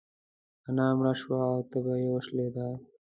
انا مړه سوه او تبه يې وشکيده.